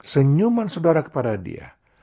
senyuman saudara kepada dia